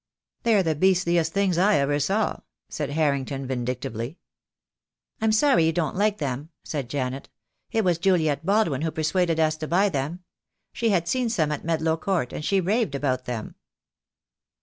"They're the beastliest things I ever saw," said Har rington vindictively. "I'm sorry you don't like them," said Janet. "It was Juliet Baldwin who persuaded us to buy them. She had seen some at Medlow Court, and she raved about them."